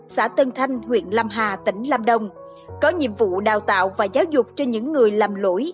xã tân thanh huyện lam hà tỉnh lam đông có nhiệm vụ đào tạo và giáo dục cho những người làm lỗi